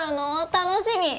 楽しみ。